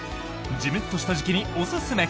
ジメッとした時期におすすめ！